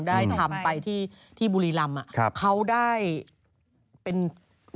ที่ส่งไปที่บุรีรำก็คงได้พัดลมพัดลม